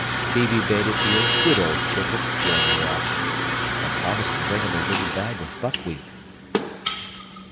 Phœbe bade it be a good old chicken during her absence, and promised to bring it a little bag of buckwheat.